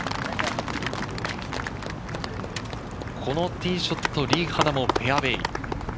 このティーショット、リ・ハナもフェアウエー。